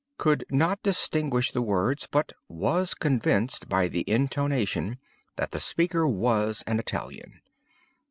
Could not distinguish the words, but was convinced by the intonation that the speaker was an Italian.